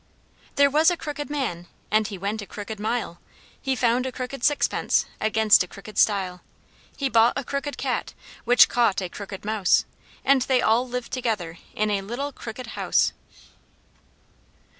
There was a crooked man, and he went a crooked mile, He found a crooked sixpence against a crooked stile; He bought a crooked cat, which caught a crooked mouse, And they all lived together in a little crooked house.